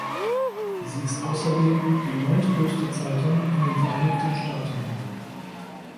Sie ist außerdem die neuntgrößte Zeitung in den Vereinigten Staaten.